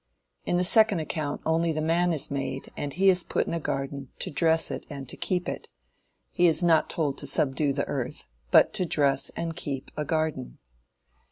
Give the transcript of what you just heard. In the second account only the man is made, and he is put in a garden "to dress it and to keep it." He is not told to subdue the earth, but to dress and keep a garden.